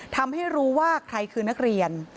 ทำให้รู้ว่าใครคือนักเรียน